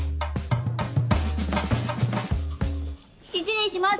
失礼します！